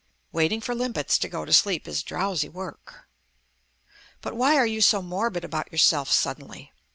Waiting for limpets to go to sleep is drowsy work. "But why are you so morbid about yourself suddenly?"